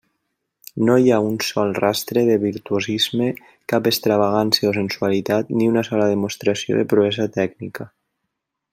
No hi ha un sol rastre de virtuosisme, cap extravagància o sensualitat, ni una sola demostració de proesa tècnica.